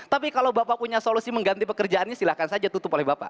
tapi kalau bapak punya solusi mengganti pekerjaannya silahkan saja tutup oleh bapak